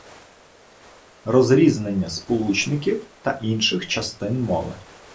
Розрізнення сполучників та інших частин мови